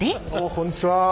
こんにちは。